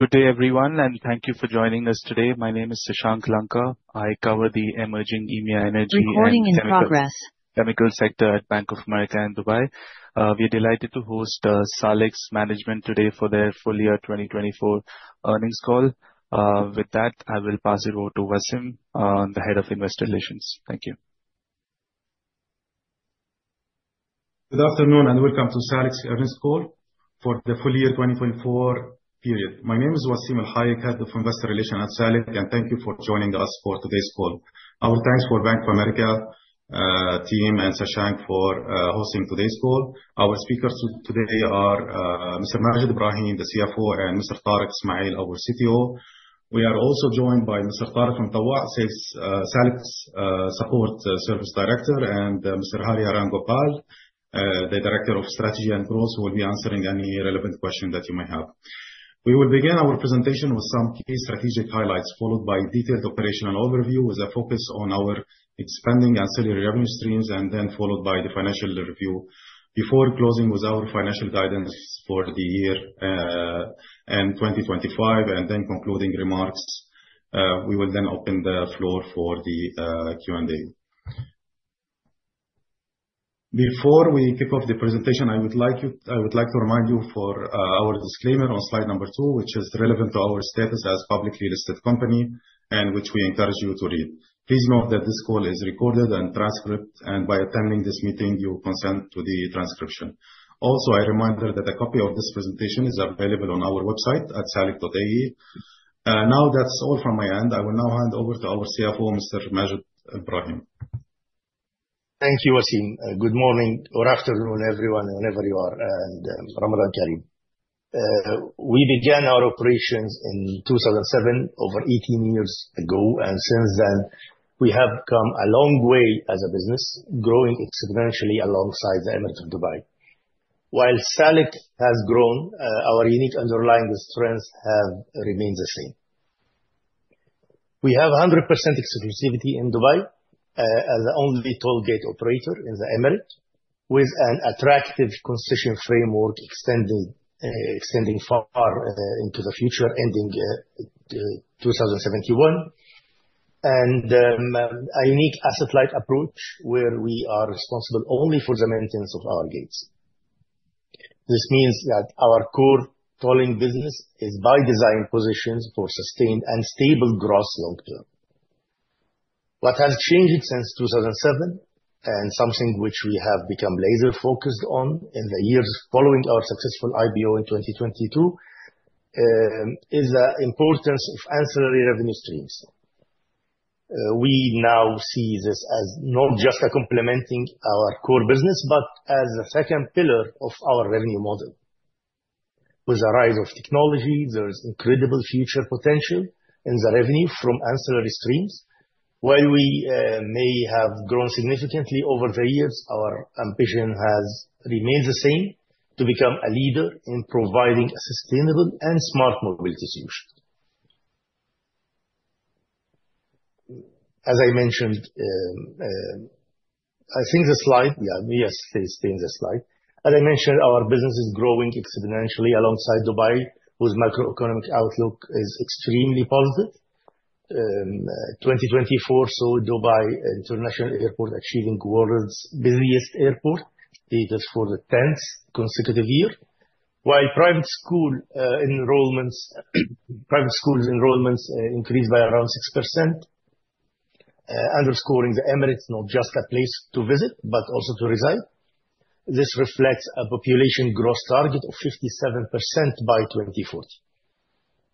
Good day, everyone, thank you for joining us today. My name is Sashank Lanka. I cover the emerging EEMEA energy and chemical sector at Bank of America in Dubai. We're delighted to host Salik's management today for their full year 2024 earnings call. With that, I will pass it over to Wassim, the Head of Investor Relations. Thank you. Good afternoon, welcome to Salik's earnings call for the full year 2024 period. My name is Wassim El Hayek, Head of Investor Relations at Salik, and thank you for joining us for today's call. Our thanks for Bank of America team and Sashank for hosting today's call. Our speakers today are Mr. Maged Ibrahim, the CFO, and Mr. Tariq Ismail, our CTO. We are also joined by Mr. Tariq Al Mutawa, Salik's Support Services Director, and Mr. Hariharan Gopal, the Director of Strategy and Growth, who will be answering any relevant question that you may have. We will begin our presentation with some key strategic highlights, followed by detailed operational overview with a focus on our expanding ancillary revenue streams, and then followed by the financial review before closing with our financial guidance for the year and 2025, and then concluding remarks. We will open the floor for the Q&A. Before we kick off the presentation, I would like to remind you for our disclaimer on slide two, which is relevant to our status as publicly listed company and which we encourage you to read. Please note that this call is recorded and transcript, and by attending this meeting, you consent to the transcription. Also, a reminder that a copy of this presentation is available on our website at salik.ae. That's all from my end. I will now hand over to our CFO, Mr. Maged Ibrahim. Thank you, Wassim. Good morning or afternoon, everyone, wherever you are, and Ramadan Kareem. We began our operations in 2007, over 18 years ago, since then, we have come a long way as a business, growing exponentially alongside the Emirate of Dubai. While Salik has grown, our unique underlying strengths have remained the same. We have 100% exclusivity in Dubai as the only toll gate operator in the Emirate, with an attractive concession framework extending far into the future, ending 2071, and a unique asset-light approach where we are responsible only for the maintenance of our gates. This means that our core tolling business is by design positioned for sustained and stable growth long term. Something which we have become laser-focused on in the years following our successful IPO in 2022, is the importance of ancillary revenue streams. We now see this as not just complementing our core business, but as a second pillar of our revenue model. With the rise of technology, there is incredible future potential in the revenue from ancillary streams. While we may have grown significantly over the years, our ambition has remained the same, to become a leader in providing a sustainable and smart mobility solution. As I mentioned, our business is growing exponentially alongside Dubai, whose macroeconomic outlook is extremely positive. 2024 saw Dubai International Airport achieving world's busiest airport status for the tenth consecutive year. While private school enrollments increased by around 6%, underscoring the Emirate is not just a place to visit, but also to reside. This reflects a population growth target of 57% by 2040.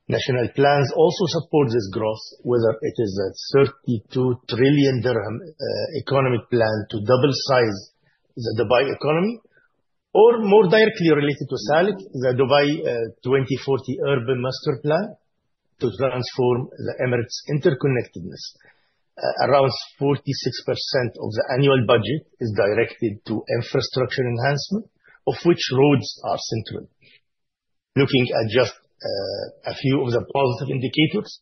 National plans also support this growth, whether it is a 32 trillion dirham economic plan to double size the Dubai economy, or more directly related to Salik, the Dubai 2040 Urban Master Plan to transform the Emirate's interconnectedness. Around 46% of the annual budget is directed to infrastructure enhancement, of which roads are central. Looking at just a few of the positive indicators,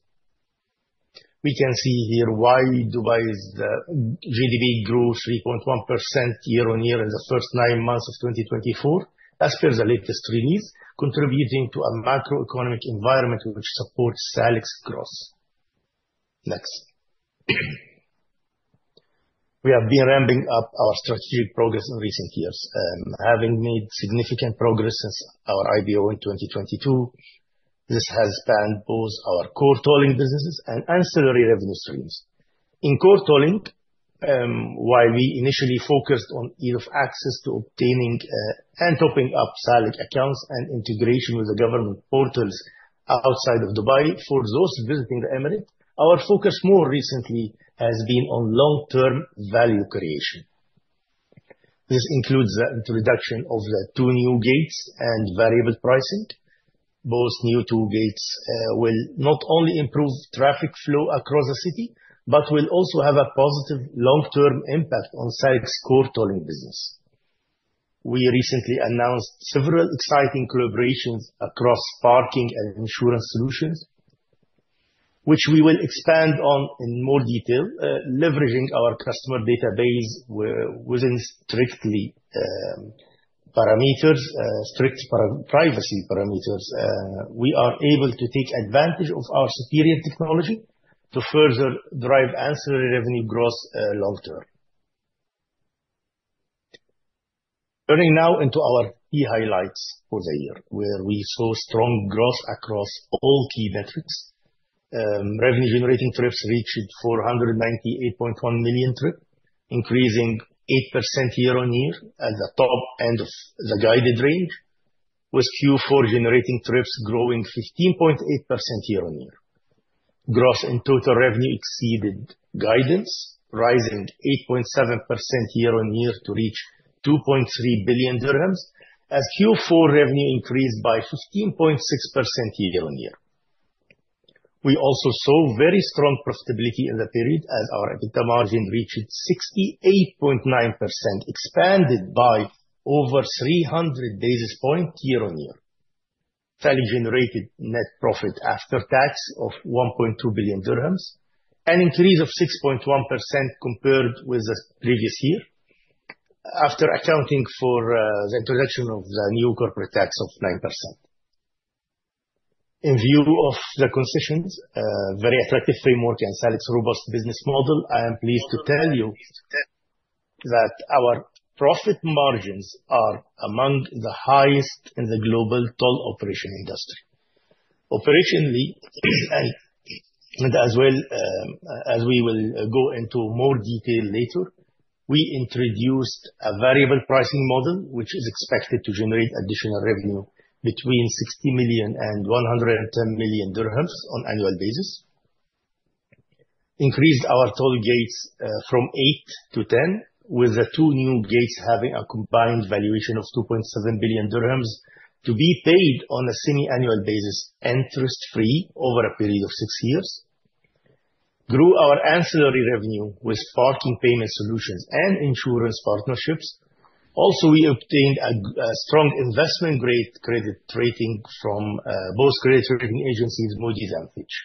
we can see here why Dubai's GDP grew 3.1% year-on-year in the first nine months of 2024, as per the latest release, contributing to a macroeconomic environment which supports Salik's growth. Next. We have been ramping up our strategic progress in recent years. Having made significant progress since our IPO in 2022. This has spanned both our core tolling businesses and ancillary revenue streams. In core tolling, while we initially focused on ease of access to obtaining and topping up Salik accounts and integration with the government portals outside of Dubai for those visiting the Emirate, our focus more recently has been on long-term value creation. This includes the introduction of the two new gates and variable pricing. Both new toll gates will not only improve traffic flow across the city, but will also have a positive long-term impact on Salik's core tolling business. We recently announced several exciting collaborations across parking and insurance solutions which we will expand on in more detail, leveraging our customer database within strict privacy parameters. We are able to take advantage of our superior technology to further drive ancillary revenue growth long term. Turning now into our key highlights for the year, where we saw strong growth across all key metrics. Revenue generating trips reached 498.1 million trips, increasing 8% year-on-year at the top end of the guided range, with Q4 generating trips growing 15.8% year-on-year. Gross and total revenue exceeded guidance, rising 8.7% year-on-year to reach 2.3 billion dirhams, as Q4 revenue increased by 15.6% year-on-year. We also saw very strong profitability in the period, as our EBITDA margin reached 68.9%, expanded by over 300 basis points year-on-year. Salik generated net profit after tax of 1.2 billion dirhams, an increase of 6.1% compared with the previous year, after accounting for the introduction of the new corporate tax of 9%. In view of the concessions, a very attractive framework and Salik's robust business model, I am pleased to tell you that our profit margins are among the highest in the global toll operation industry. Operationally, as well, as we will go into more detail later, we introduced a variable pricing model, which is expected to generate additional revenue between 60 million and 110 million dirhams on annual basis. Increased our toll gates from 8 to 10, with the two new gates having a combined valuation of 2.7 billion dirhams to be paid on a semi-annual basis, interest free, over a period of six years. Grew our ancillary revenue with parking payment solutions and insurance partnerships. We obtained a strong investment-grade credit rating from both credit rating agencies, Moody's and Fitch.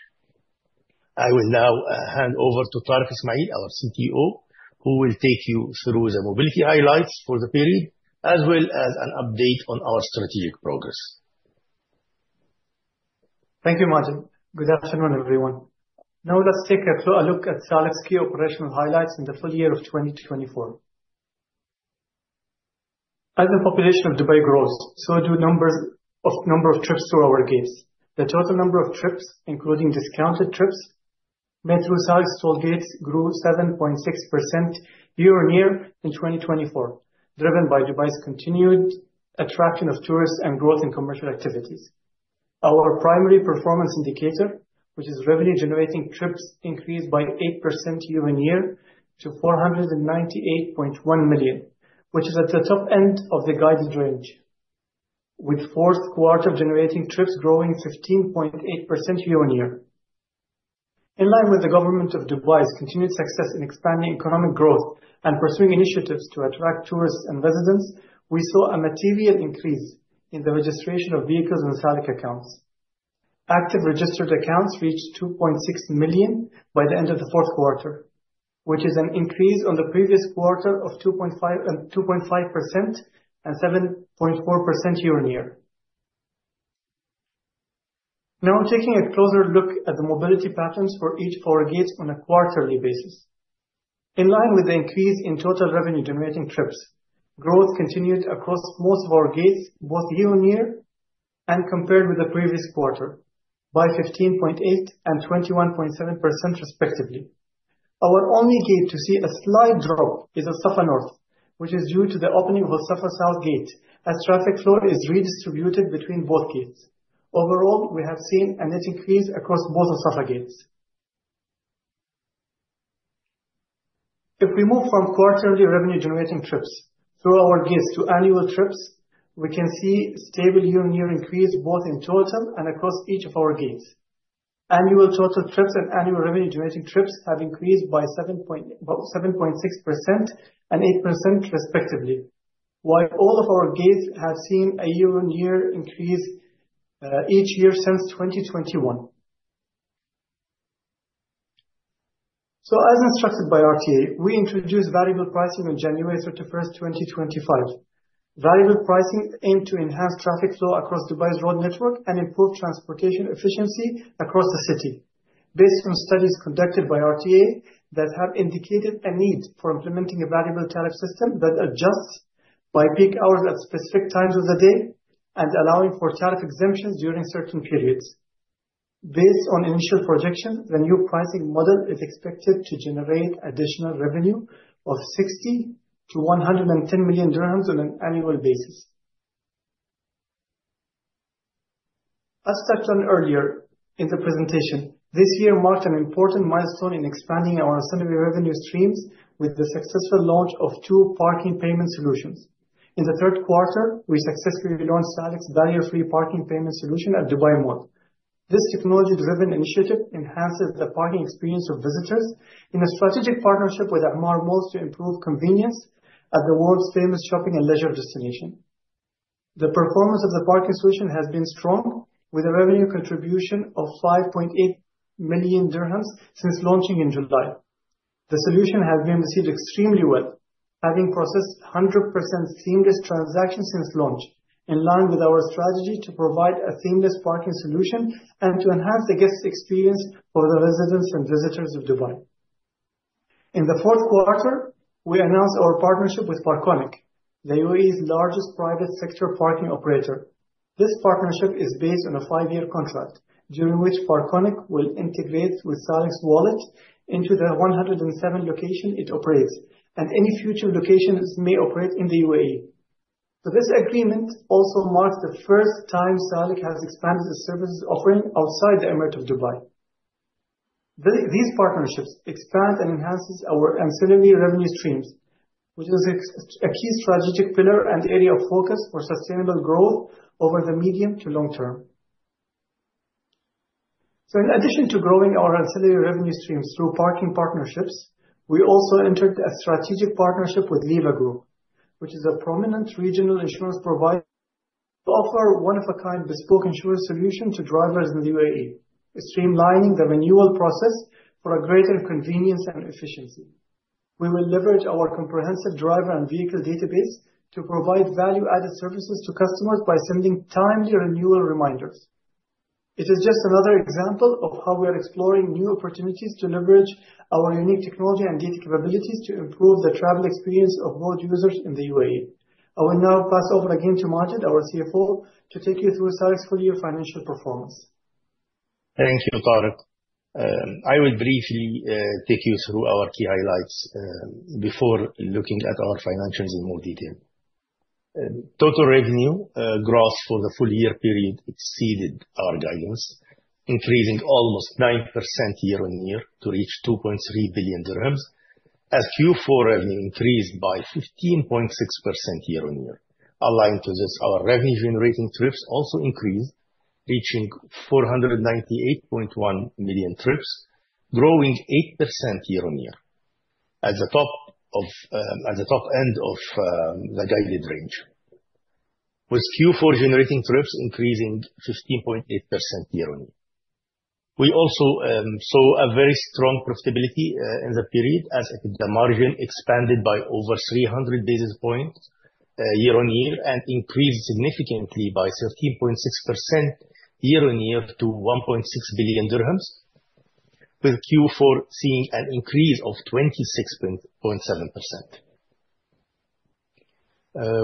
I will now hand over to Tariq Ismail, our CTO, who will take you through the mobility highlights for the period, as well as an update on our strategic progress. Thank you, Maged. Good afternoon, everyone. Let's take a look at Salik's key operational highlights in the full year of 2024. As the population of Dubai grows, so do number of trips through our gates. The total number of trips, including discounted trips, made through Salik's toll gates grew 7.6% year-on-year in 2024, driven by Dubai's continued attraction of tourists and growth in commercial activities. Our primary performance indicator, which is revenue generating trips, increased by 8% year-on-year to 498.1 million, which is at the top end of the guided range, with fourth quarter generating trips growing 15.8% year-on-year. In line with the government of Dubai's continued success in expanding economic growth and pursuing initiatives to attract tourists and residents, we saw a material increase in the registration of vehicles and Salik accounts. Active registered accounts reached 2.6 million by the end of the fourth quarter, which is an increase on the previous quarter of 2.5% and 7.4% year-on-year. Taking a closer look at the mobility patterns for each of our gates on a quarterly basis. In line with the increase in total revenue generating trips, growth continued across most of our gates, both year-on-year and compared with the previous quarter, by 15.8% and 21.7% respectively. Our only gate to see a slight drop is Al Safa North, which is due to the opening of Al Safa South gate, as traffic flow is redistributed between both gates. Overall, we have seen a net increase across both Al Safa gates. If we move from quarterly revenue generating trips through our gates to annual trips, we can see stable year-on-year increase both in total and across each of our gates. Annual total trips and annual revenue generating trips have increased by 7.6% and 8% respectively, while all of our gates have seen a year-on-year increase each year since 2021. As instructed by RTA, we introduced variable pricing on January 31st 2025. Variable pricing aimed to enhance traffic flow across Dubai's road network and improve transportation efficiency across the city. Based on studies conducted by RTA that have indicated a need for implementing a variable tariff system that adjusts by peak hours at specific times of the day and allowing for tariff exemptions during certain periods. Based on initial projections, the new pricing model is expected to generate additional revenue of 60 million-110 million dirhams on an annual basis. As touched on earlier in the presentation, this year marked an important milestone in expanding our ancillary revenue streams with the successful launch of two parking payment solutions. In the third quarter, we successfully launched Salik's barrier-free parking payment solution at Dubai Mall. This technology-driven initiative enhances the parking experience of visitors in a strategic partnership with Emaar Malls to improve convenience at the world's famous shopping and leisure destination. The performance of the parking solution has been strong, with a revenue contribution of 5.8 million dirhams since launching in July. The solution has been received extremely well, having processed 100% seamless transactions since launch, in line with our strategy to provide a seamless parking solution and to enhance the guest experience for the residents and visitors of Dubai. In the fourth quarter, we announced our partnership with Parkonic, the UAE's largest private sector parking operator. This partnership is based on a five-year contract, during which Parkonic will integrate with Salik's wallet into the 107 locations it operates, and any future locations it may operate in the UAE. This agreement also marks the first time Salik has expanded its services offering outside the Emirate of Dubai. These partnerships expand and enhances our ancillary revenue streams, which is a key strategic pillar and area of focus for sustainable growth over the medium to long term. In addition to growing our ancillary revenue streams through parking partnerships, we also entered a strategic partnership with Liva Group, which is a prominent regional insurance provider, to offer one of a kind bespoke insurance solution to drivers in the UAE. Streamlining the renewal process for a greater convenience and efficiency. We will leverage our comprehensive driver and vehicle database to provide value-added services to customers by sending timely renewal reminders. It is just another example of how we are exploring new opportunities to leverage our unique technology and data capabilities to improve the travel experience of road users in the UAE. I will now pass over again to Maged, our CFO, to take you through Salik's full year financial performance. Thank you, Tariq. I will briefly take you through our key highlights before looking at our financials in more detail. Total revenue gross for the full year period exceeded our guidance, increasing almost 9% year-on-year to reach 2.3 billion dirhams. Q4 revenue increased by 15.6% year-on-year. Aligned to this, our revenue generating trips also increased, reaching 498.1 million trips, growing 8% year-on-year. At the top end of the guided range. With Q4 generating trips increasing 15.8% year-on-year. We also saw a very strong profitability in the period as the margin expanded by over 300 basis points year-on-year and increased significantly by 13.6% year-on-year to 1.6 billion dirhams, with Q4 seeing an increase of 26.7%.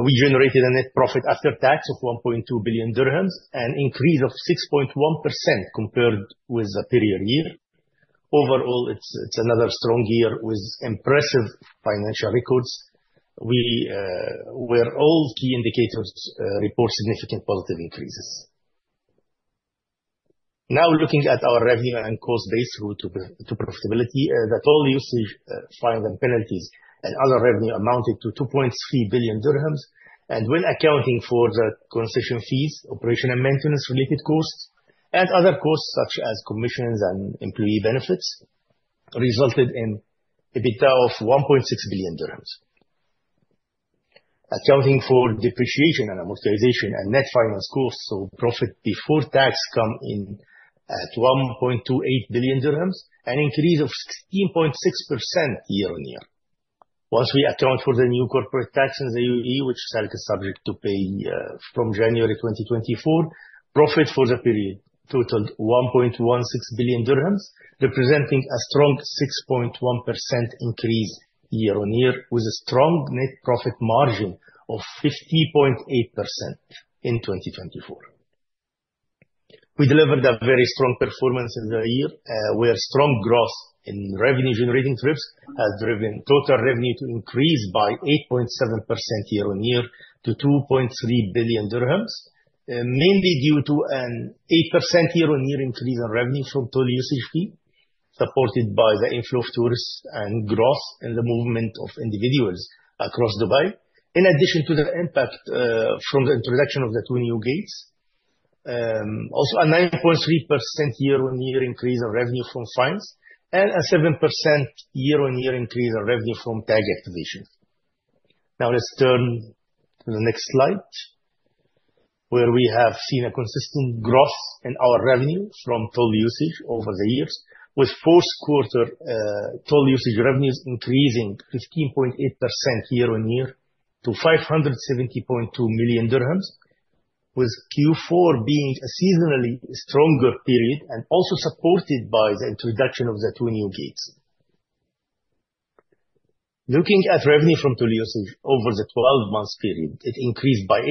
We generated a net profit after tax of 1.2 billion dirhams, an increase of 6.1% compared with the prior year. Overall, it's another strong year with impressive financial records, where all key indicators report significant positive increases. Now looking at our revenue and cost base through to profitability. The toll usage fines and penalties and other revenue amounted to 2.3 billion dirhams. When accounting for the concession fees, operation and maintenance related costs, and other costs such as commissions and employee benefits, resulted in EBITDA of 1.6 billion dirhams. Accounting for depreciation and amortization and net finance costs, profit before tax come in at 1.28 billion dirhams, an increase of 16.6% year-on-year. Once we account for the new corporate tax in the UAE, which Salik is subject to pay from January 2024, profit for the period totaled 1.16 billion dirhams, representing a strong 6.1% increase year-on-year with a strong net profit margin of 50.8% in 2024. We delivered a very strong performance in the year, where strong growth in revenue generating trips has driven total revenue to increase by 8.7% year-on-year to 2.3 billion dirhams. Mainly due to an 8% year-on-year increase in revenue from toll usage fee, supported by the inflow of tourists and growth in the movement of individuals across Dubai. In addition to the impact from the introduction of the two new gates. A 9.3% year-on-year increase in revenue from fines, and a 7% year-on-year increase in revenue from tag activations. Let's turn to the next slide, where we have seen a consistent growth in our revenue from toll usage over the years, with fourth quarter toll usage revenues increasing 15.8% year-on-year to 570.2 million dirhams, with Q4 being a seasonally stronger period and also supported by the introduction of the two new gates. Looking at revenue from toll usage over the 12-month period, it increased by 8%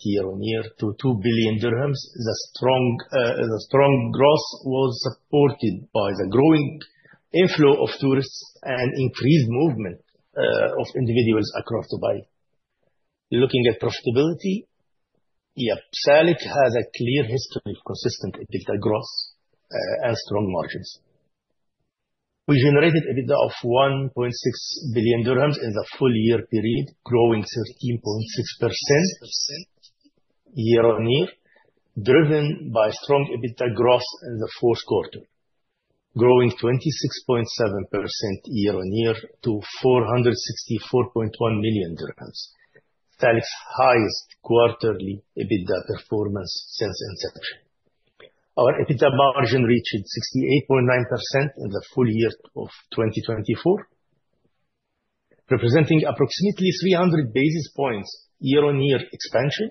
year-on-year to 2 billion dirhams. The strong growth was supported by the growing inflow of tourists and increased movement of individuals across Dubai. Looking at profitability. Salik has a clear history of consistent EBITDA growth and strong margins. We generated EBITDA of 1.6 billion dirhams in the full year period, growing 13.6% year-on-year, driven by strong EBITDA growth in the fourth quarter. Growing 26.7% year-on-year to AED 464.1 million. Salik's highest quarterly EBITDA performance since inception. Our EBITDA margin reached 68.9% in the full year 2024, representing approximately 300 basis points year-on-year expansion.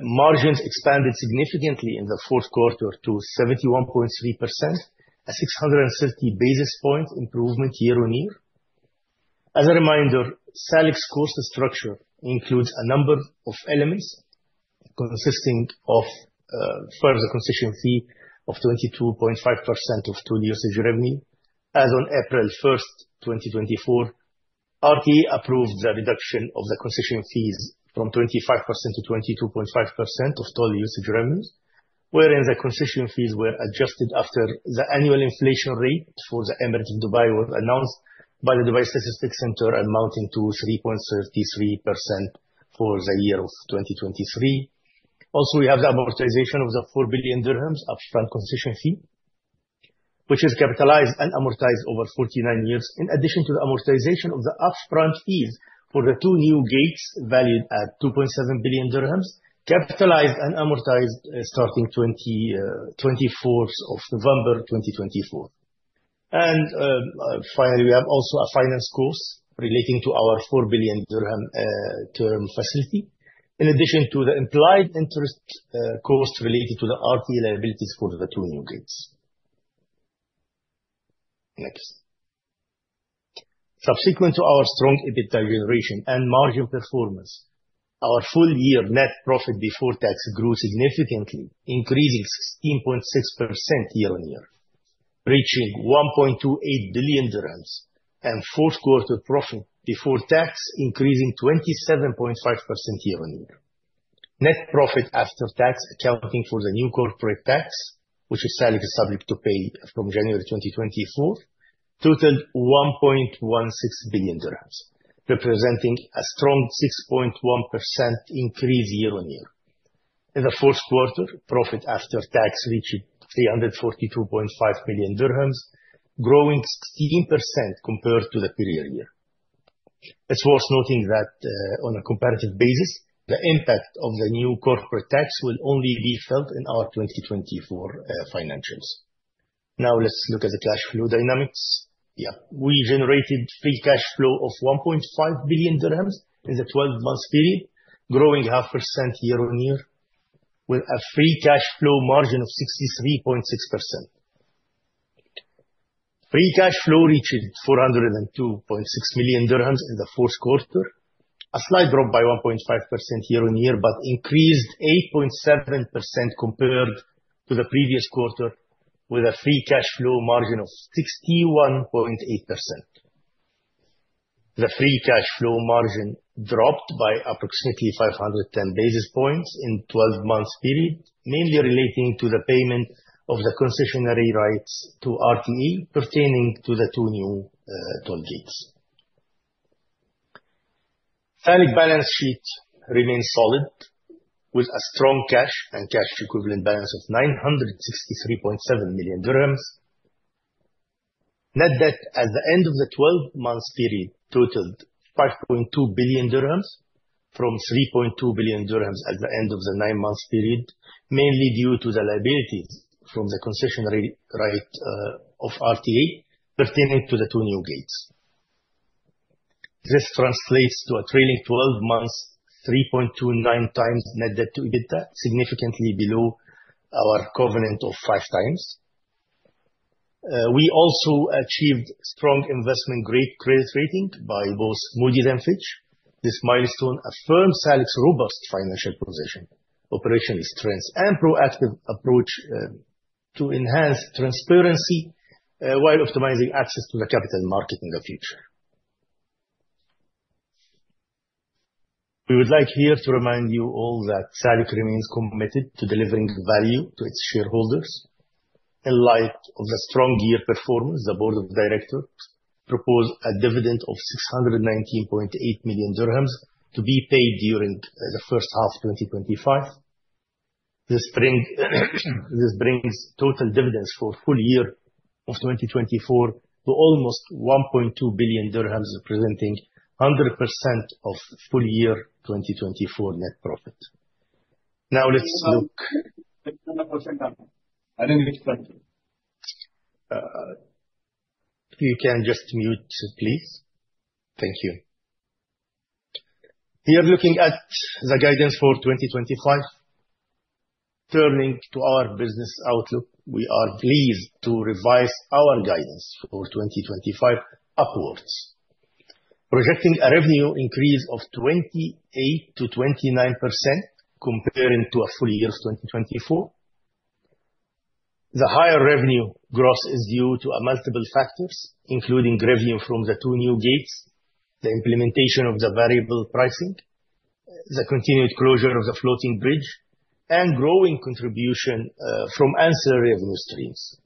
Margins expanded significantly in the fourth quarter to 71.3%, a 630 basis point improvement year-on-year. As a reminder, Salik's cost structure includes a number of elements consisting of further concession fee of 22.5% of toll usage revenue. As on April 1st, 2024, RTA approved the reduction of the concession fees from 25% to 22.5% of toll usage revenues, wherein the concession fees were adjusted after the annual inflation rate for the Emirate of Dubai was announced by the Dubai Statistics Center, amounting to 3.33% for the year 2023. Also, we have the amortization of the 4 billion dirhams upfront concession fee, which is capitalized and amortized over 49 years, in addition to the amortization of the upfront fees for the two new gates valued at 2.7 billion dirhams, capitalized and amortized starting November 2024. Finally, we have also a finance cost relating to our 4 billion dirham term facility, in addition to the implied interest cost related to the RTA liabilities for the two new gates. Next. Subsequent to our strong EBITDA generation and margin performance, our full year net profit before tax grew significantly, increasing 16.6% year-on-year, reaching 1.28 billion dirhams, and fourth quarter profit before tax increasing 27.5% year-on-year. Net profit after tax, accounting for the new corporate tax, which Salik is subject to pay from January 2024, totaled 1.16 billion dirhams, representing a strong 6.1% increase year-on-year. In the fourth quarter, profit after tax reached 342.5 million dirhams, growing 16% compared to the prior year. It's worth noting that, on a comparative basis, the impact of the new corporate tax will only be felt in our 2024 financials. Let's look at the cash flow dynamics. We generated free cash flow of 1.5 billion dirhams in the 12-month period, growing 0.5% year-on-year with a free cash flow margin of 63.6%. Free cash flow reached 402.6 million dirhams in the fourth quarter, a slight drop by 1.5% year-on-year, but increased 8.7% compared to the previous quarter with a free cash flow margin of 61.8%. The free cash flow margin dropped by approximately 510 basis points in 12-month period, mainly relating to the payment of the concessionary rights to RTA pertaining to the two new toll gates. Salik balance sheet remains solid with a strong cash and cash equivalent balance of 963.7 million dirhams. Net debt at the end of the 12 months period totaled AED 5.2 billion from 3.2 billion dirhams at the end of the nine months period, mainly due to the liabilities from the concessionary right of RTA pertaining to the two new gates. This translates to a trailing 12 months, 3.29x net debt to EBITDA, significantly below our covenant of 5x. We also achieved strong investment grade credit rating by both Moody's and Fitch. This milestone affirms Salik's robust financial position, operational strengths, and proactive approach to enhance transparency while optimizing access to the capital market in the future. We would like here to remind you all that Salik remains committed to delivering value to its shareholders. In light of the strong year performance, the board of directors propose a dividend of 619.8 million dirhams to be paid during the first half of 2025. This brings total dividends for full year of 2024 to almost 1.2 billion dirhams, representing 100% of full year 2024 net profit. I think we're still stuck. I think it's frozen. If you can just mute, please. Thank you. We are looking at the guidance for 2025. Turning to our business outlook, we are pleased to revise our guidance for 2025 upwards, projecting a revenue increase of 28%-29% comparing to a full year 2024. The higher revenue growth is due to a multiple factors, including revenue from the two new gates, the implementation of the variable pricing, the continued closure of the floating bridge, and growing contribution from ancillary revenue streams.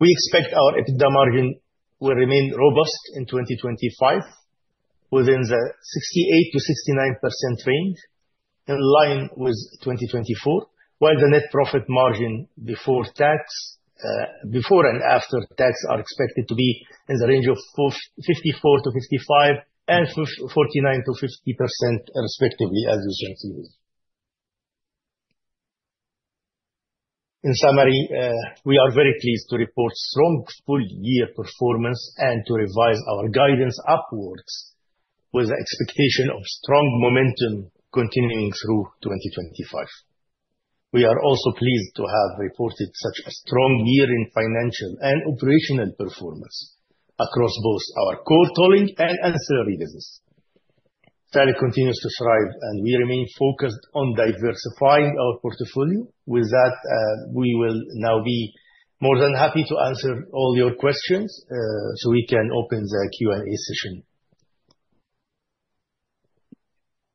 We expect our EBITDA margin will remain robust in 2025. Within the 68%-69% range, in line with 2024. While the net profit margin before and after tax are expected to be in the range of 54%-55% and 49%-50%, respectively, as you can see. In summary, we are very pleased to report strong full-year performance and to revise our guidance upwards with the expectation of strong momentum continuing through 2025. We are also pleased to have reported such a strong year in financial and operational performance across both our core tolling and ancillary business. Salik continues to thrive, and we remain focused on diversifying our portfolio. With that, we will now be more than happy to answer all your questions. We can open the Q&A session.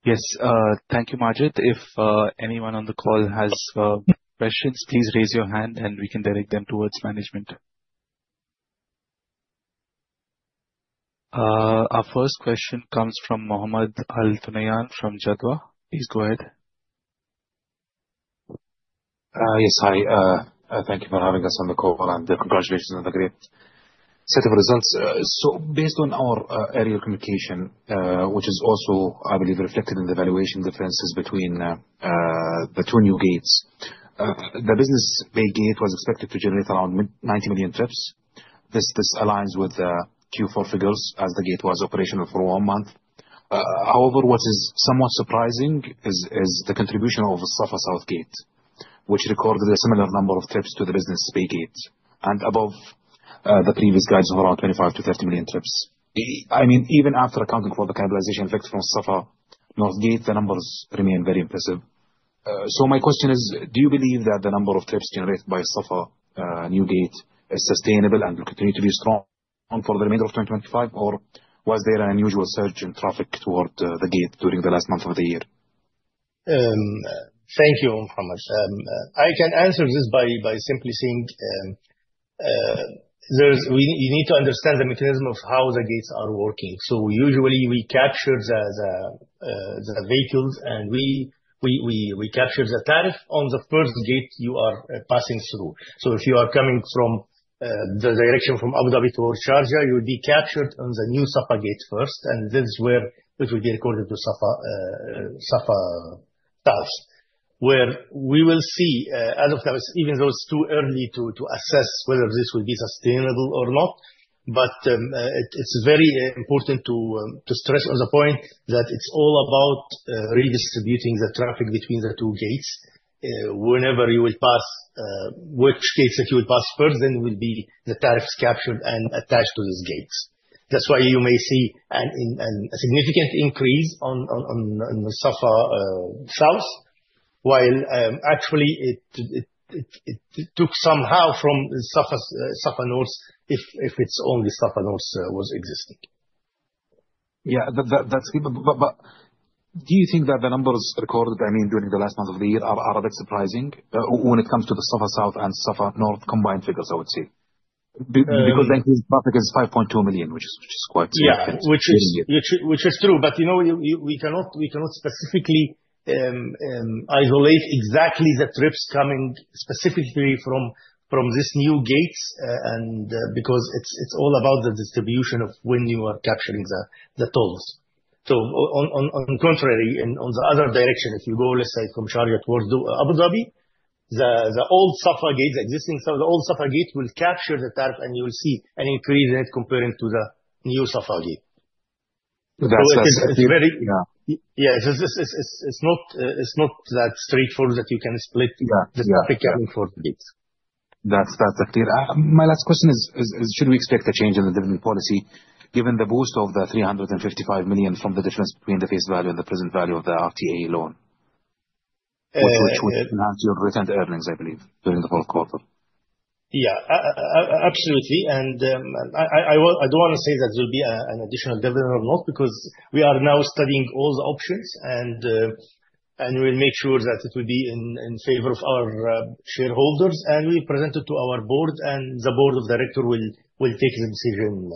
Yes. Thank you, Maged. If anyone on the call has questions, please raise your hand and we can direct them towards management. Our first question comes from Mohammed Al Funayan from Jadwa. Please go ahead. Yes. Hi. Thank you for having us on the call and congratulations on the great set of results. Based on our earlier communication, which is also, I believe, reflected in the valuation differences between the two new gates. The Business Bay gate was expected to generate around 90 million trips. This aligns with the Q4 figures as the gate was operational for one month. However, what is somewhat surprising is the contribution of Safa South gate, which recorded a similar number of trips to the Business Bay gate and above the previous guides of around 25 million-30 million trips. Even after accounting for the cannibalization effect from Safa North gate, the numbers remain very impressive. My question is, do you believe that the number of trips generated by Safa New Gate is sustainable and will continue to be strong for the remainder of 2025, or was there an unusual surge in traffic toward the gate during the last month of the year? Thank you, Mohammed. I can answer this by simply saying, you need to understand the mechanism of how the gates are working. Usually we capture the vehicles, and we capture the tariff on the first gate you are passing through. If you are coming from the direction from Abu Dhabi towards Sharjah, you will be captured on the new Safa gate first, and this is where it will be recorded to Safa tariffs. Where we will see, as of now, even though it is too early to assess whether this will be sustainable or not. It is very important to stress on the point that it is all about redistributing the traffic between the two gates. Which gate that you will pass first then will be the tariffs captured and attached to those gates. That is why you may see a significant increase on the Safa South, while actually it took somehow from Safa North, if it is only Safa North was existing. Yeah. Do you think that the numbers recorded during the last month of the year, are that surprising when it comes to the Safa South and Safa North combined figures, I would say? Because that traffic is 5.2 million, which is quite significant. Yeah. Which is true. We cannot specifically isolate exactly the trips coming specifically from this new gates, and because it is all about the distribution of when you are capturing the tolls. On contrary, on the other direction, if you go, let's say from Sharjah towards Abu Dhabi, the old Safa gate, the existing Safa, the old Safa gate will capture the tariff and you will see an increase in it compared to the new Safa gate. That's clear. Yeah. Yeah. It's not that straightforward that you can split. Yeah You can split the traffic coming from the gates. That's clear. My last question is, should we expect a change in the dividend policy given the boost of 355 million from the difference between the face value and the present value of the RTA loan? Eh. would enhance your return to earnings, I believe, during the fourth quarter. Yeah. Absolutely. I don't want to say that there will be an additional dividend or not because we are now studying all the options, and we'll make sure that it will be in favor of our shareholders, and we'll present it to our board, and the board of directors will take the decision.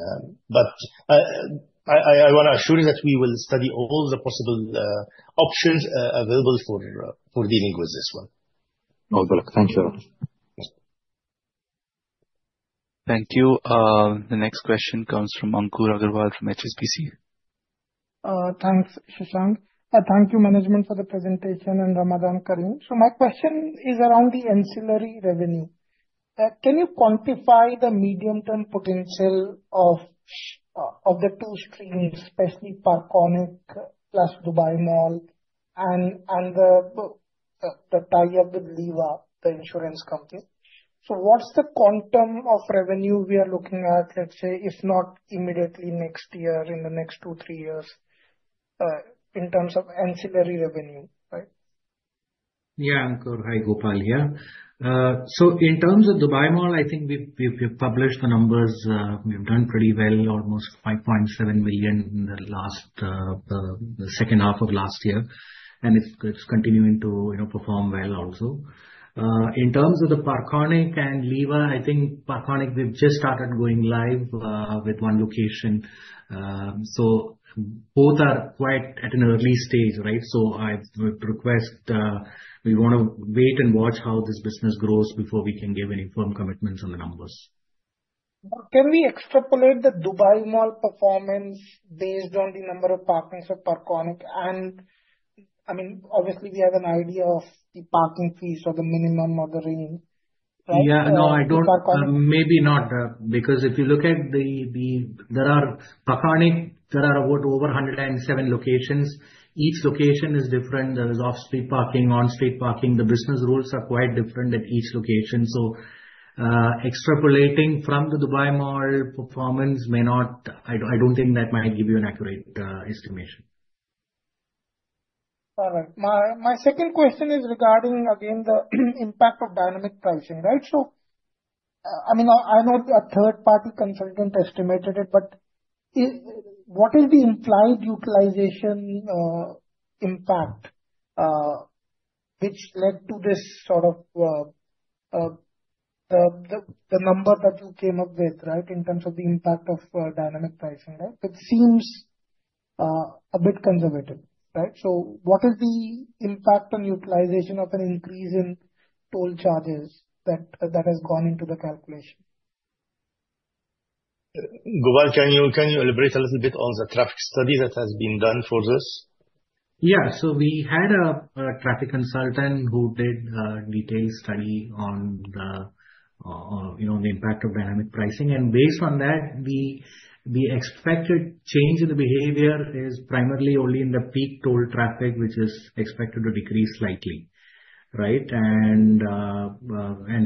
I want to assure you that we will study all the possible options available for dealing with this one. No problem. Thank you. Thank you. The next question comes from Ankur Aggarwal, from HSBC. Thanks, Sashank. Thank you management for the presentation. My question is around the ancillary revenue. Can you quantify the medium-term potential of the two streams, specifically Parkonic plus Dubai Mall and the tie-up with Liva, the insurance company. What's the quantum of revenue we are looking at, let's say, if not immediately next year, in the next two, three years, in terms of ancillary revenue? Yeah. Ankur. Hi, Gopal here. In terms of Dubai Mall, I think we've published the numbers. We've done pretty well, almost 5.7 million in the second half of last year, it's continuing to perform well also. In terms of the Parkonic and Liva, I think Parkonic, we've just started going live with one location. Both are quite at an early stage, right? I would request, we want to wait and watch how this business grows before we can give any firm commitments on the numbers. Can we extrapolate the Dubai Mall performance based on the number of partners of Parkonic? Obviously, we have an idea of the parking fees or the minimum or the range, right? Yeah. No, maybe not. Because if you look at Parkonic, there are about over 107 locations. Each location is different. There is off-street parking, on-street parking. The business rules are quite different at each location. Extrapolating from the Dubai Mall performance, I don't think that might give you an accurate estimation. All right. My second question is regarding, again, the impact of dynamic pricing, right? I know a third-party consultant estimated it, but what is the implied utilization impact which led to the number that you came up with, right, in terms of the impact of dynamic pricing? It seems a bit conservative, right? What is the impact on utilization of an increase in toll charges that has gone into the calculation? Gopal, can you elaborate a little bit on the traffic study that has been done for this? Yeah. We had a traffic consultant who did a detailed study on the impact of dynamic pricing. Based on that, the expected change in the behavior is primarily only in the peak toll traffic, which is expected to decrease slightly. Right?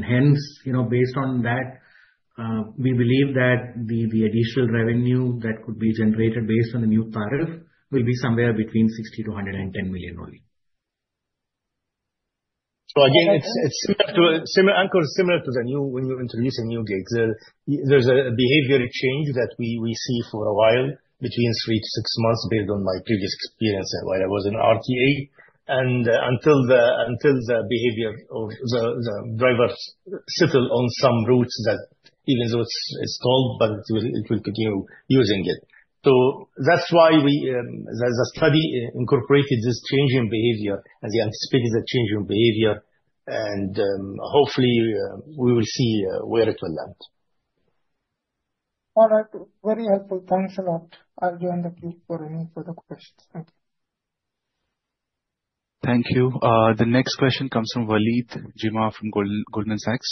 Hence, based on that, we believe that the additional revenue that could be generated based on the new tariff will be somewhere between 60 million-110 million only. Again, Ankur, similar to when you introduce a new gate. There's a behavioral change that we see for a while, between three to six months, based on my previous experience while I was in RTA, and until the behavior of the drivers settle on some routes that even though it's tolled, but it will continue using it. That's why the study incorporated this change in behavior and the anticipated change in behavior, and hopefully, we will see where it will land. All right. Very helpful. Thanks a lot. I'll join the queue for any further questions. Thank you. Thank you. The next question comes from Waleed Jimma from Goldman Sachs.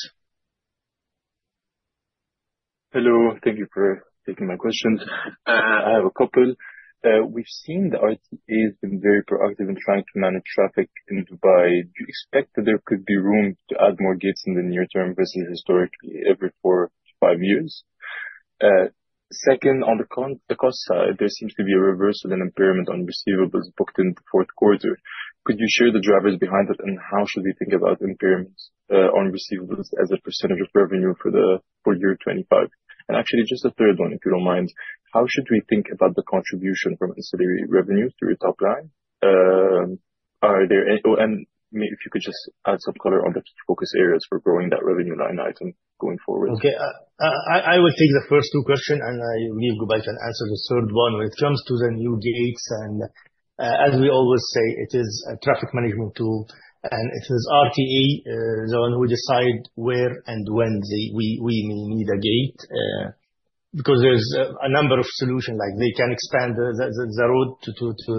Hello. Thank you for taking my question. I have a couple. We've seen the RTA's been very proactive in trying to manage traffic in Dubai. Do you expect that there could be room to add more gates in the near term versus historically every four to five years? Second, on the cost side, there seems to be a reversal in impairment on receivables booked in the fourth quarter. Could you share the drivers behind it and how should we think about impairments on receivables as a percentage of revenue for year 2025? Actually, just a third one, if you don't mind. How should we think about the contribution from ancillary revenues to your top line? Maybe if you could just add some color on the focus areas for growing that revenue line item going forward. Okay. I will take the first two questions, I leave Gopal to answer the third one. When it comes to the new gates, as we always say, it is a traffic management tool, it is RTA, the one who decide where and when we may need a gate. There's a number of solutions. Like they can expand the road to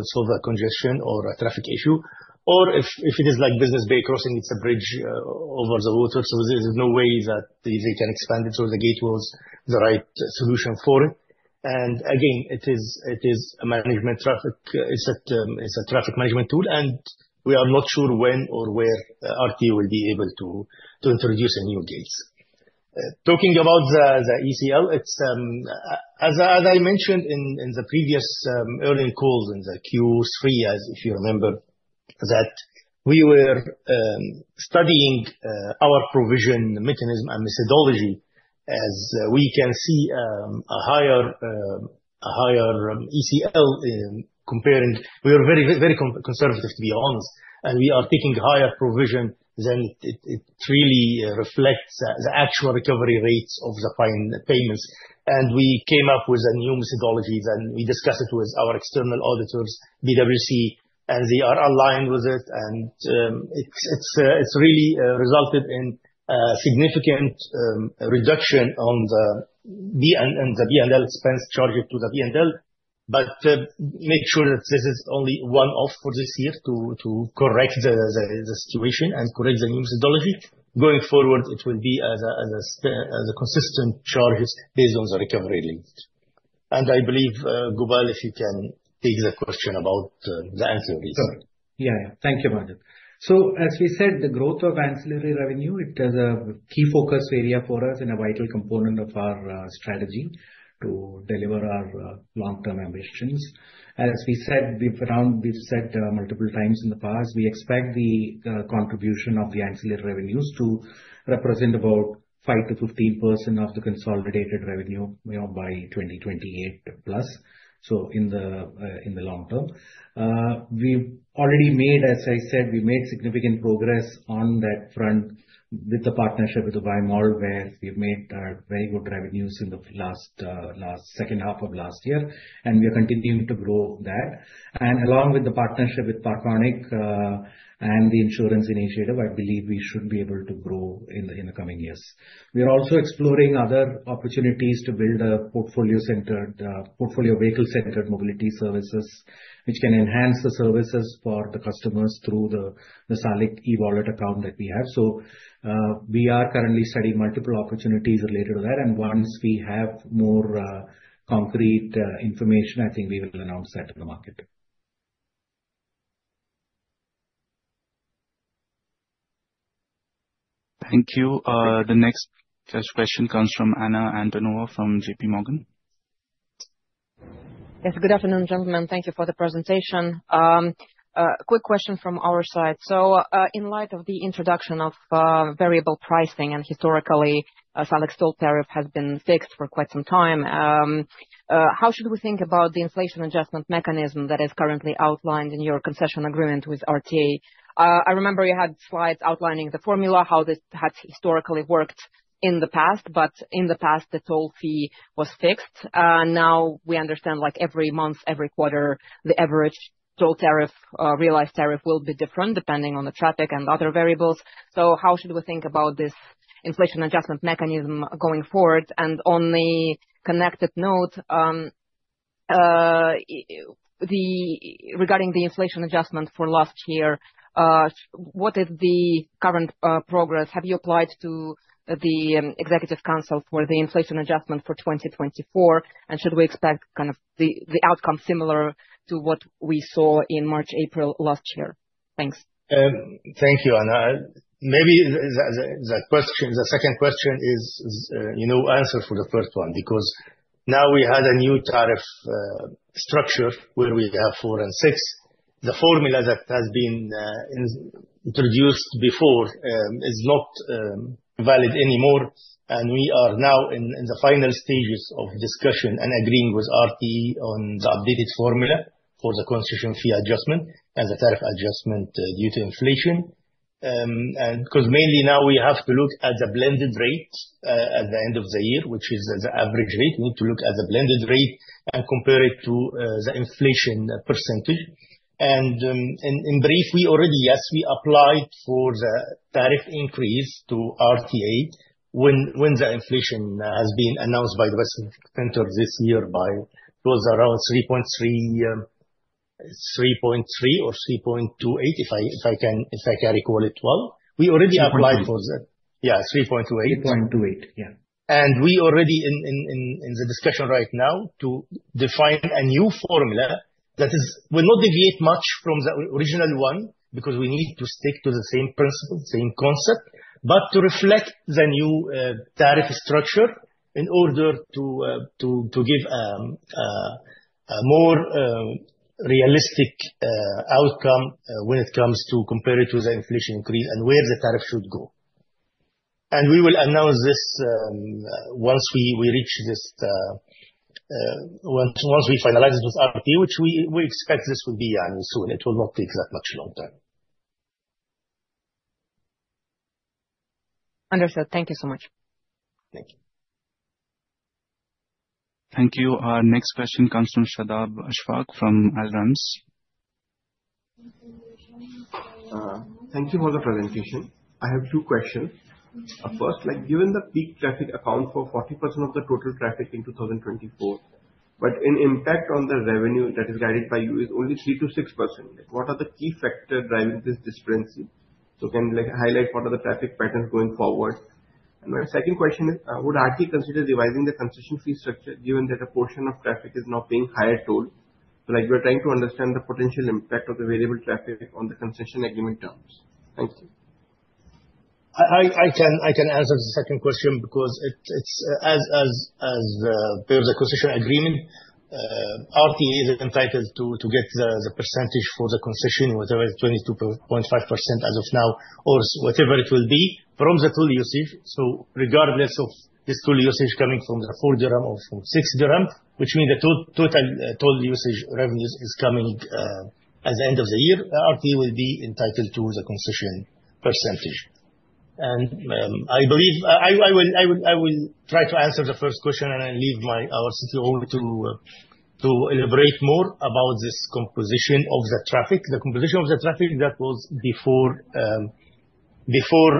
solve a congestion or a traffic issue. Or if it is like Business Bay crossing, it's a bridge over the water, there's no way that they can expand it. The gate was the right solution for it. Again, it is a traffic management tool, and we are not sure when or where RTA will be able to introduce new gates. Talking about the ECL, as I mentioned in the previous earnings calls in the Q3, if you remember, that we were studying our provision mechanism and methodology, as we can see a higher ECL comparing. We are very conservative, to be honest, and we are taking higher provision than it really reflects the actual recovery rates of the fine payments. We came up with a new methodology. We discuss it with our external auditors, PwC, and they are aligned with it. It's really resulted in a significant reduction on the P&L expense charged to the P&L. Make sure that this is only one-off for this year to correct the situation and correct the new methodology. Going forward, it will be as a consistent charge based on the recovery rates. I believe, Gopal, if you can take the question about the ancillary. Sure. Yeah. Thank you, Maged. As we said, the growth of ancillary revenue, it is a key focus area for us and a vital component of our strategy to deliver our long-term ambitions. As we've said multiple times in the past, we expect the contribution of the ancillary revenues to represent about 5%-15% of the consolidated revenue by 2028 plus, so in the long term. We've already made, as I said, significant progress on that front with the partnership with the Dubai Mall, where we've made very good revenues in the second half of last year, and we are continuing to grow that. Along with the partnership with Parkonic, and the insurance initiative, I believe we should be able to grow in the coming years. We are also exploring other opportunities to build a portfolio vehicle-centered mobility services, which can enhance the services for the customers through the Salik e-wallet account that we have. We are currently studying multiple opportunities related to that, and once we have more concrete information, I think we will announce that to the market. Thank you. The next question comes from Anna Antonova from JPMorgan. Yes. Good afternoon, gentlemen. Thank you for the presentation. A quick question from our side. In light of the introduction of variable pricing, historically, Salik toll tariff has been fixed for quite some time, how should we think about the inflation adjustment mechanism that is currently outlined in your concession agreement with RTA? I remember you had slides outlining the formula, how this had historically worked in the past, but in the past, the toll fee was fixed. Now we understand every month, every quarter, the average toll tariff, realized tariff will be different depending on the traffic and other variables. How should we think about this inflation adjustment mechanism going forward? On the connected note, regarding the inflation adjustment for last year, what is the current progress? Have you applied to the executive council for the inflation adjustment for 2024? Should we expect the outcome similar to what we saw in March, April last year? Thanks. Thank you, Anna. Maybe the second question is, you know, answer for the first one. Now we have a new tariff structure where we have four and six. The formula that has been introduced before is not valid anymore. We are now in the final stages of discussion and agreeing with RTA on the updated formula for the concession fee adjustment and the tariff adjustment due to inflation. Mainly now we have to look at the blended rates at the end of the year, which is the average rate. We need to look at the blended rate and compare it to the inflation percentage. In brief, we already, yes, we applied for the tariff increase to RTA when the inflation has been announced by the Dubai Statistics Center this year, it was around 3.3% or 3.28%, if I can recall it well. We already applied for the- 3.28. Yeah, 3.28. 3.28, yeah. We already in the discussion right now to define a new formula that will not deviate much from the original one because we need to stick to the same principle, same concept, but to reflect the new tariff structure in order to give a more realistic outcome when it comes to compare it with the inflation increase and where the tariff should go. We will announce this once we reach this, once we finalize it with RTA, which we expect this will be soon. It will not take that much long time. Understood. Thank you so much. Thank you. Thank you. Our next question comes from Shadab Ashfaq from Alramz. Thank you for the presentation. I have two questions. First, given the peak traffic account for 40% of the total traffic in 2024, but an impact on the revenue that is guided by you is only 3%-6%. What are the key factors driving this discrepancy? Can you highlight what are the traffic patterns going forward? My second question is, would RTA consider revising the concession fee structure given that a portion of traffic is now being higher tolled? We're trying to understand the potential impact of the variable traffic on the concession agreement terms. Thank you. I can answer the second question because as per the concession agreement, RTA is entitled to get the percentage for the concession, whatever, 22.5% as of now or whatever it will be from the toll usage. Regardless of this toll usage coming from the 4 dirham or from 6 dirham, which means the total toll usage revenues is coming at the end of the year, RTA will be entitled to the concession percentage. I believe I will try to answer the first question, and I leave my CTO to elaborate more about this composition of the traffic. The composition of the traffic that was before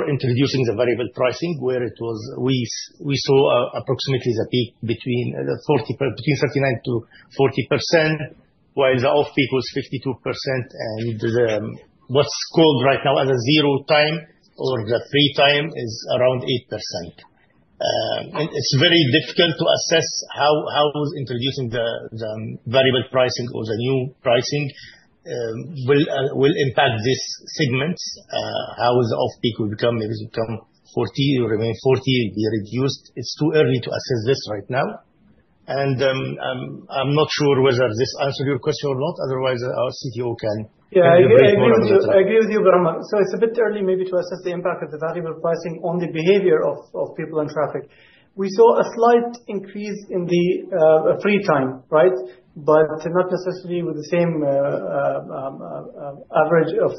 introducing the variable pricing, where we saw approximately the peak between 39%-40%. While the off-peak was 52% and what's called right now as a zero time or the free time is around 8%. It is very difficult to assess how introducing the variable pricing or the new pricing will impact these segments. How the off-peak will become, maybe it become 40, or remain 40, be reduced. It is too early to assess this right now. I am not sure whether this answered your question or not. Otherwise, our CTO can give you a bit more on it. Yeah. I agree with you, Ibrahim. It is a bit early maybe to assess the impact of the variable pricing on the behavior of people and traffic. We saw a slight increase in the free time, right? Not necessarily with the same average of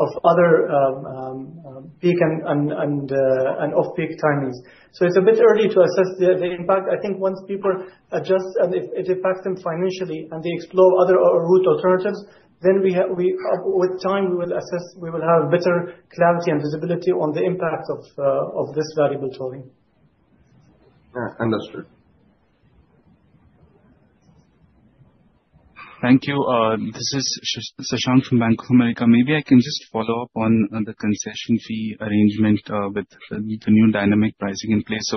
other peak and off-peak timings. It is a bit early to assess the impact. I think once people adjust and it impacts them financially and they explore other route alternatives, with time, we will assess, we will have better clarity and visibility on the impact of this variable tolling. Yeah. Understood. Thank you. This is Sashank from Bank of America. Maybe I can just follow up on the concession fee arrangement with the new dynamic pricing in place.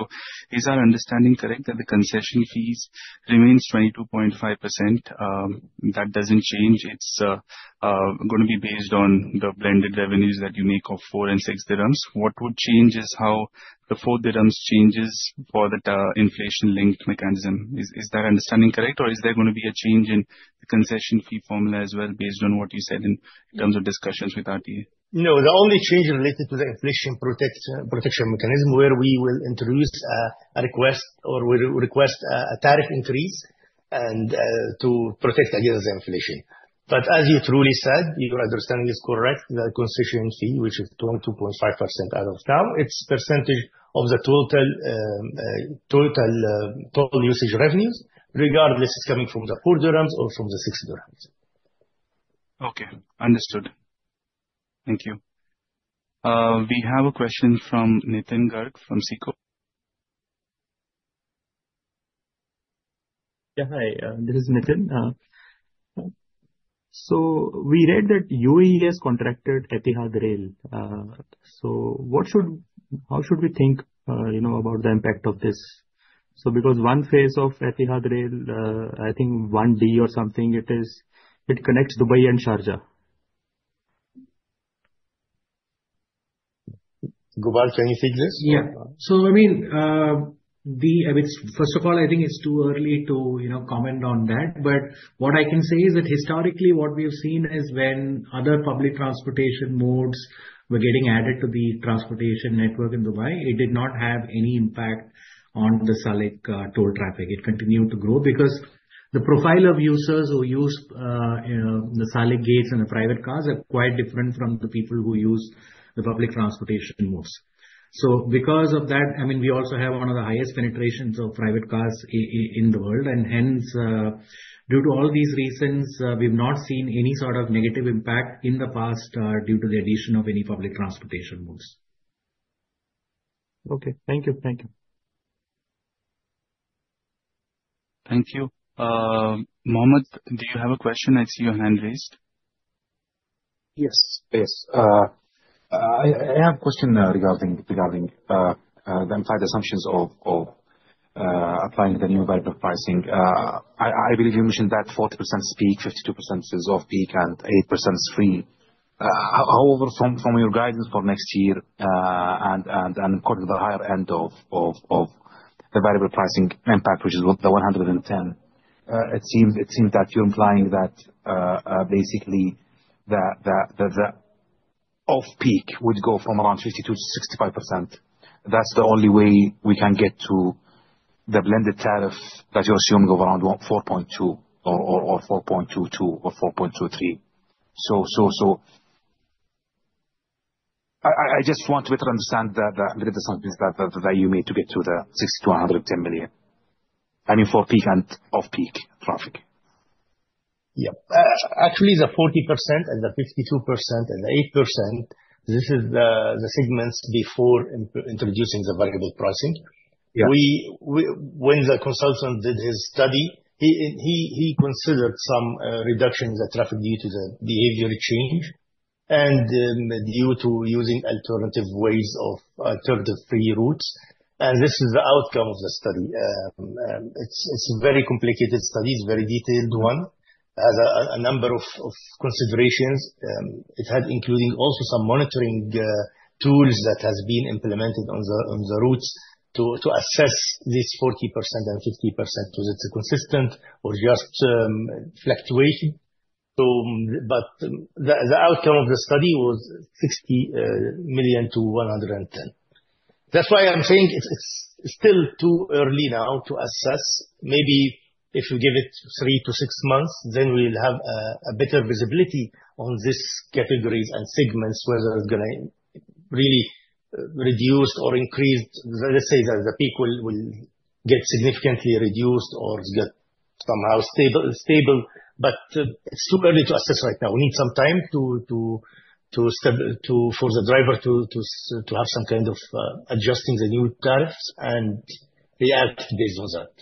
Is our understanding correct that the concession fees remains 22.5%? That does not change. It is going to be based on the blended revenues that you make of 4 and 6 dirhams. What would change is how the 4 dirhams changes for the inflation-linked mechanism. Is that understanding correct, or is there going to be a change in the concession fee formula as well based on what you said in terms of discussions with RTA? No, the only change related to the inflation protection mechanism, where we will introduce a request or we request a tariff increase and to protect against the inflation. As you truly said, your understanding is correct. The concession fee, which is 22.5% as of now, it's percentage of the total usage revenues, regardless it's coming from the 4 dirhams or from the 6 dirhams. Okay. Understood. Thank you. We have a question from Nitin Garg from SICO. Yeah. Hi, this is Nitin. We read that UAE has contracted Etihad Rail. How should we think about the impact of this? Because one phase of Etihad Rail, I think 1B or something it is, it connects Dubai and Sharjah. Gopal, can you take this? First of all, I think it is too early to comment on that. What I can say is that historically, what we have seen is when other public transportation modes were getting added to the transportation network in Dubai, it did not have any impact on the Salik toll traffic. It continued to grow because the profile of users who use the Salik gates and the private cars are quite different from the people who use the public transportation modes. Because of that, we also have one of the highest penetrations of private cars in the world, and hence, due to all these reasons, we have not seen any sort of negative impact in the past due to the addition of any public transportation modes. Okay. Thank you. Thank you. Mohammed, do you have a question? I see your hand raised. Yes. I have a question regarding the implied assumptions of applying the new variable pricing. I believe you mentioned that 40% is peak, 52% is off-peak, and 8% is free. However, from your guidance for next year and according to the higher end of the variable pricing impact, which is the 110 million, it seems that you are implying that basically the off-peak would go from around 52% to 65%. That is the only way we can get to the blended tariff that you are assuming of around 4.2 or 4.22 or 4.23. I just want to better understand the ramifications that you made to get to the 60 million-110 million. I mean, for peak and off-peak traffic. Yeah. Actually, the 40% and the 52% and the 8%, this is the segments before introducing the variable pricing. Yeah. When the consultant did his study, he considered some reduction in the traffic due to the behavior change and due to using alternative ways of alternative free routes. This is the outcome of the study. It's a very complicated study. It's a very detailed one. It has a number of considerations. It had including also some monitoring tools that has been implemented on the routes to assess this 40% and 50%, was it consistent or just fluctuation? The outcome of the study was 60 million-110 million. That's why I'm saying it's still too early now to assess. Maybe if we give it three to six months, we'll have a better visibility on these categories and segments, whether it's going to really reduce or increase. Let's say that the peak will get significantly reduced or get somehow stable. It's too early to assess right now. We need some time for the driver to have some kind of adjusting the new tariffs and react based on that.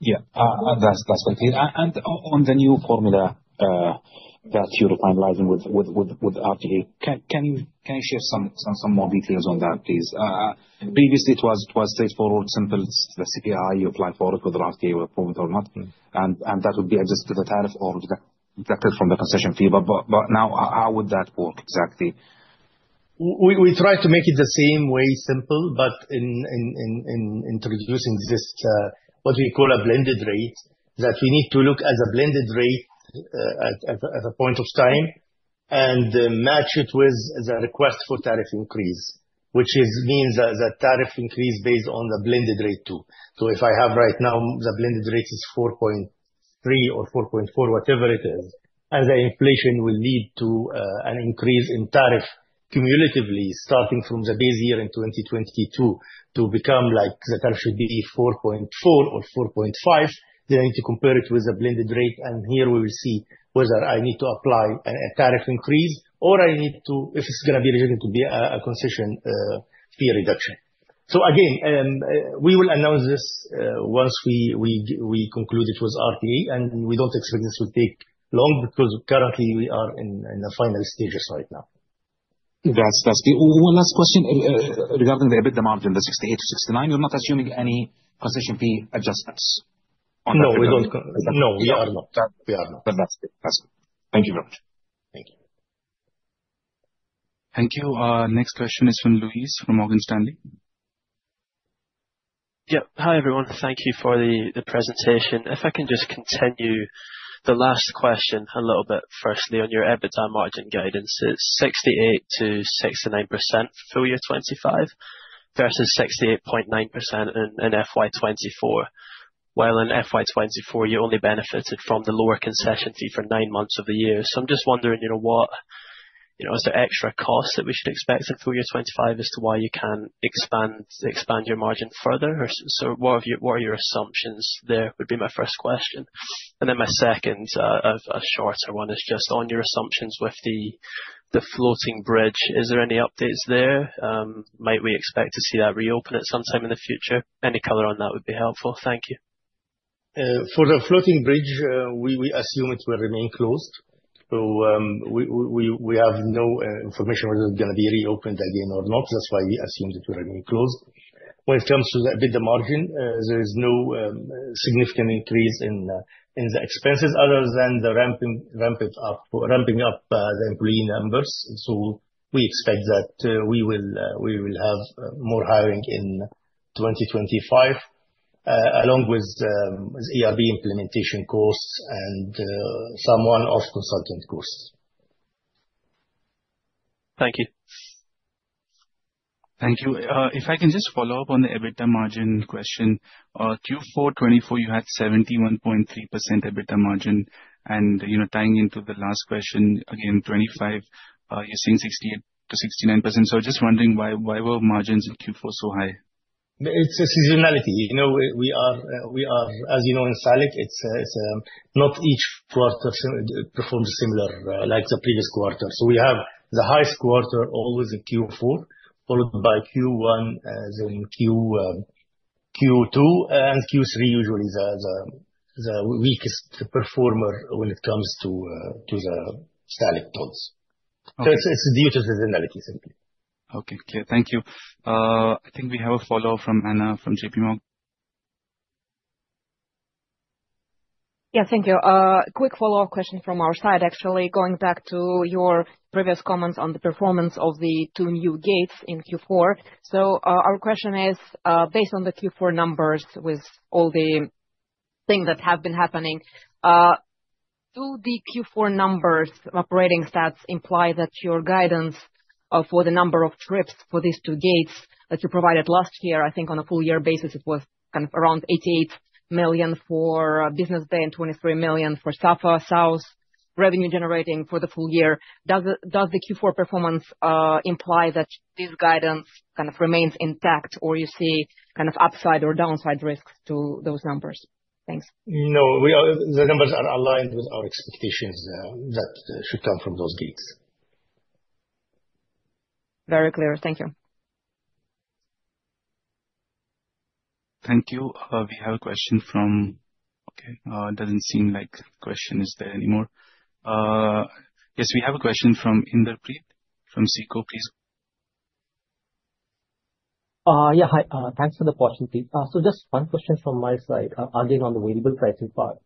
Yeah. That's clear. On the new formula that you're finalizing with RTA, can you share some more details on that, please? Previously, it was straightforward, simple. The CPI, you apply for it, whether RTA will approve it or not, and that would be adjusted with tariff or deducted from the concession fee. Now, how would that work exactly? We try to make it the same way, simple, but in introducing this, what we call a blended rate, that we need to look at the blended rate at a point of time and match it with the request for tariff increase. Which means the tariff increase based on the blended rate too. If I have right now the blended rate is 4.3 or 4.4, whatever it is, and the inflation will lead to an increase in tariff cumulatively starting from the base year in 2022 to become like the tariff should be 4.4 or 4.5. I need to compare it with the blended rate, and here we will see whether I need to apply a tariff increase or if it's going to be a concession fee reduction. Again, we will announce this once we conclude it with RTA, and we don't expect this will take long because currently we are in the final stages right now. That's clear. One last question regarding the EBITDA margin, the 68%-69%. You're not assuming any concession fee adjustments on that? No, we don't. No, we are not. We are not. That's clear. Thank you very much. Thank you. Thank you. Our next question is from Louise from Morgan Stanley. Yep. Hi, everyone. Thank you for the presentation. If I can just continue the last question a little bit. Firstly, on your EBITDA margin guidance is 68%-69% full year 2025 versus 68.9% in FY 2024, while in FY 2024 you only benefited from the lower concession fee for nine months of the year. I'm just wondering, is there extra costs that we should expect in full year 2025 as to why you can't expand your margin further? What are your assumptions there, would be my first question. My second, a shorter one, is just on your assumptions with the floating bridge. Is there any updates there? Might we expect to see that reopen at some time in the future? Any color on that would be helpful. Thank you. For the floating bridge, we assume it will remain closed. We have no information whether it's going to be reopened again or not. That's why we assume that it will remain closed. When it comes to the EBITDA margin, there is no significant increase in the expenses other than the ramping up the employee numbers. We expect that we will have more hiring in 2025, along with ERP implementation costs and some one-off consultant costs. Thank you. Thank you. If I can just follow up on the EBITDA margin question. Q4 2024, you had 71.3% EBITDA margin and tying into the last question, again, 2025, you're saying 68%-69%. Just wondering why were margins in Q4 so high? It's a seasonality. As you know, in Salik, not each quarter performs similar like the previous quarter. We have the highest quarter always in Q4, followed by Q1, then Q2, and Q3 usually is the weakest performer when it comes to the Salik tolls. Okay. It is due to seasonality, simply. Okay. Thank you. I think we have a follow from Anna from JPMorgan. Thank you. Quick follow-up question from our side, actually, going back to your previous comments on the performance of the two new gates in Q4. Our question is, based on the Q4 numbers with all the things that have been happening, do the Q4 numbers operating stats imply that your guidance for the number of trips for these two gates that you provided last year, I think on a full year basis it was around 88 million for Business Bay and 23 million for Safa South revenue generating for the full year. Does the Q4 performance imply that this guidance remains intact, or you see upside or downside risks to those numbers? Thanks. No. The numbers are aligned with our expectations that should come from those gates. Very clear. Thank you. Thank you. We have a question from. Okay. It doesn't seem like the question is there anymore. Yes, we have a question from Indarpreet from SICO. Please. Yeah. Hi. Thanks for the question, please. Just one question from my side, arguing on the variable pricing part.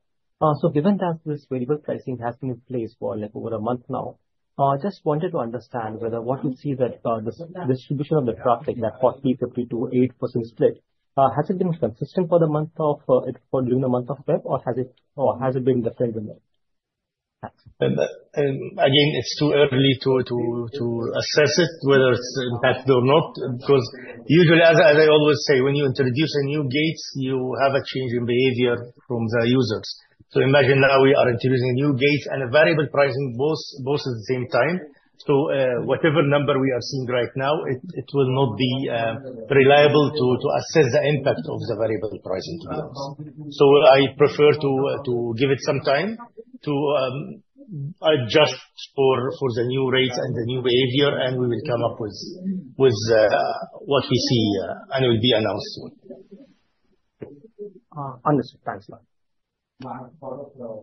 Given that this variable pricing has been in place for over a month now, just wanted to understand whether what you see that the distribution of the traffic, that 40:52:8% split, has it been consistent for the month of April during the month of Feb, or has it been different than that? Again, it's too early to assess it whether it's impacted or not, because usually, as I always say, when you introduce a new gate, you have a change in behavior from the users. Imagine now we are introducing a new gate and a variable pricing both at the same time. Whatever number we are seeing right now, it will not be reliable to assess the impact of the variable pricing to be honest. I prefer to give it some time to adjust for the new rates and the new behavior, and we will come up with what we see, and it will be announced soon. Understood. Thanks a lot.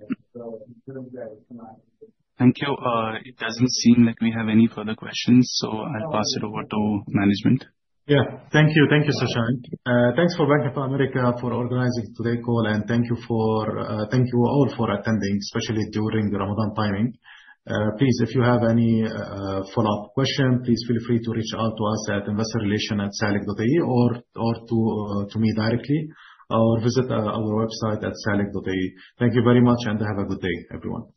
Thank you. It doesn't seem like we have any further questions, I'll pass it over to management. Yeah. Thank you. Thank you, Sashank. Thanks for Bank of America for organizing today's call, thank you all for attending, especially during the Ramadan timing. Please, if you have any follow-up question, please feel free to reach out to us at investor.relations@salik.ae or to me directly, or visit our website at salik.ae. Thank you very much and have a good day, everyone.